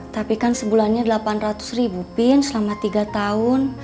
tapi kan sebulannya delapan ratus ribu pin selama tiga tahun